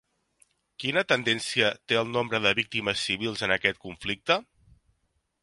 Quina tendència té el nombre de víctimes civils en aquest conflicte?